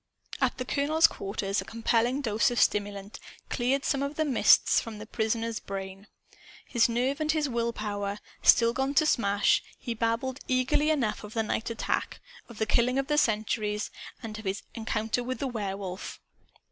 At the colonel's quarters, a compelling dose of stimulant cleared some of the mists from the prisoner's brain. His nerve and his will power still gone to smash, he babbled eagerly enough of the night attack, of the killing of the sentries and of his encounter with the Werewolf.